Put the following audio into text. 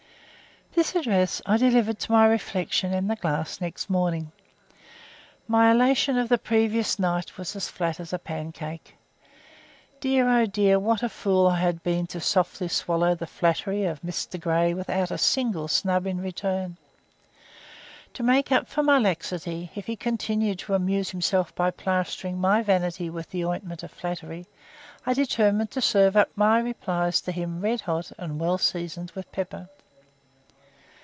This address I delivered to my reflection in the glass next morning. My elation of the previous night was as flat as a pancake. Dear, oh dear, what a fool I had been to softly swallow the flattery of Mr Grey without a single snub in return! To make up for my laxity, if he continued to amuse himself by plastering my vanity with the ointment of flattery, I determined to serve up my replies to him red hot and well seasoned with pepper.